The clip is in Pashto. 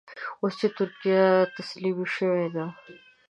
اوس چې ترکیه تسليم شوې ده.